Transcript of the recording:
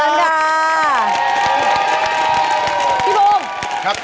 พี่พุ้ง